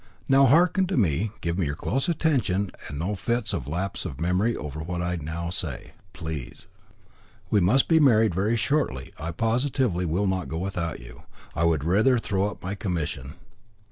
Now, hearken to me, give me your close attention, and no fits of lapse of memory over what I now say, please. We must be married very shortly. I positively will not go out without you. I would rather throw up my commission."